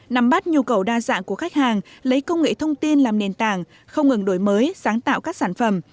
nắm bắt nhu cầu đa dạng của khách hàng lấy công nghệ thông tin làm nền tảng không ngừng đổi mới sáng tạo các sản phẩm